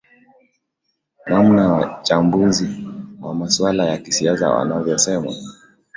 namna wachambuzi wa maswala ya kisiasa wanavyosema